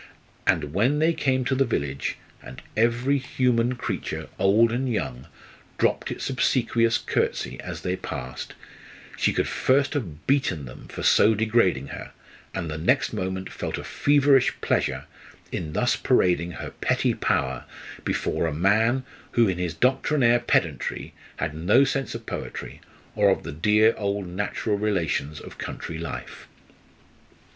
and when they came to the village, and every human creature, old and young, dropped its obsequious curtsey as they passed, she could first have beaten them for so degrading her, and the next moment felt a feverish pleasure in thus parading her petty power before a man who in his doctrinaire pedantry had no sense of poetry, or of the dear old natural relations of country life.